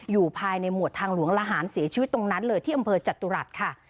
อยู่ภายในหมวดทางหลวงละหารเสียชีวิตตรงนั้นเลยที่อำเภอจตุรัสค่ะ